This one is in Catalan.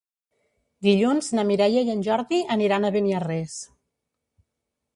Dilluns na Mireia i en Jordi aniran a Beniarrés.